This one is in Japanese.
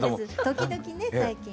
時々ね最近。